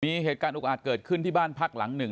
มีเหตุการณ์อุกอาจเกิดขึ้นที่บ้านพักหลังหนึ่ง